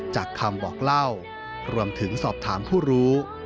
จากคำบอกเล่ารวมถึงสอบถามผู้รู้